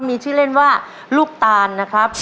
มีชื่อเล่นว่าลูกตานนะครับ